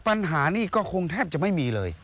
ปัญหานี้ก็คงแทบจะไม่มีเลย